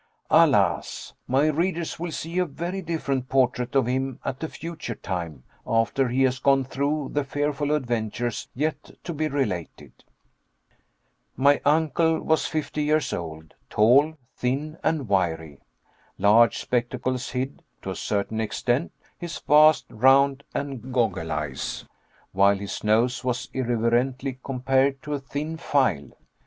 Alas! my readers will see a very different portrait of him at a future time, after he has gone through the fearful adventures yet to be related. My uncle was fifty years old; tall, thin, and wiry. Large spectacles hid, to a certain extent, his vast, round, and goggle eyes, while his nose was irreverently compared to a thin file.